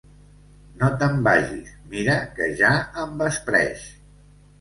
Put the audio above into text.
No te'n vagis: mira que ja envespreix.